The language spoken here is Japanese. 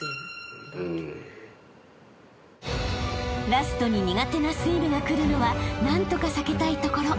［ラストに苦手なスイムがくるのは何とか避けたいところ。